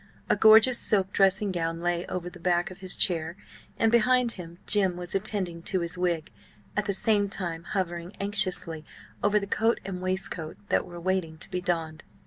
A gorgeous silk dressing gown lay over the back of his chair, and, behind him, Jim was attending to his wig, at the same time hovering anxiously over the coat and waistcoat that were waiting to be donned.